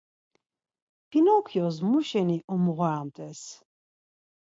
Pinokyos muşeni umğoramt̆es?